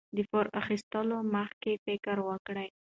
د پور اخیستلو مخکې فکر وکړئ.